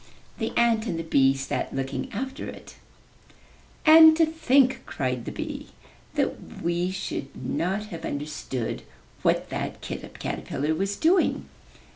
The ant and the bee sat looking after it. *'And to think,'* cried the bee, that we should not have under stood what that caterpillar was doing!